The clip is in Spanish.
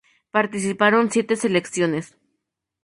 Participaron siete selecciones.